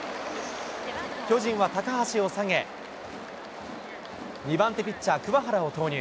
巨人は高橋を下げ、２番手ピッチャー、鍬原を投入。